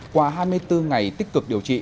qua hai mươi bốn ngày tích cực điều trị